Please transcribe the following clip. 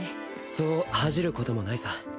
そう恥じることもないさ。